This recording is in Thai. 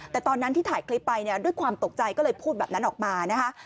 แต่ตอนนั้นที่ถ่ายคลิปไปเนี่ยด้วยความตกใจก็เลยพูดแบบนั้นออกมานะคะ